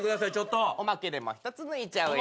おまけでもう１つ抜いちゃうよ。